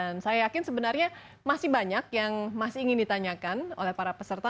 dan saya yakin sebenarnya masih banyak yang masih ingin ditanyakan oleh para peserta